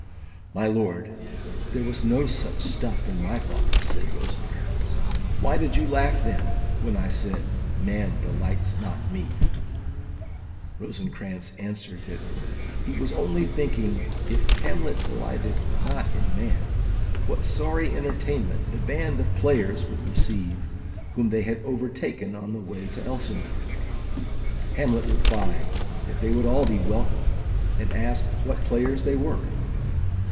"My lord, there was no such stuff in my thoughts," said Rosencrantz. "Why did you laugh, then, when I said 'Man delights not me'?" Rosencrantz answered that he was only thinking, if Hamlet delighted not in man, what sorry entertainment the band of players would receive, whom they had overtaken on the way to Elsinore. Hamlet replied that they would all be welcome, and asked what players they were.